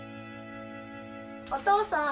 お父さん！